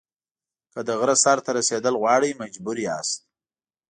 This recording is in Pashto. که د غره سر ته رسېدل غواړئ مجبور یاست.